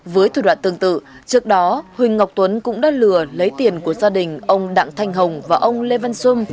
với thủ đoạn tương tự trước đó huỳnh ngọc tuấn cũng đã lừa lấy tiền của gia đình ông đặng thanh hồng và ông lê văn xung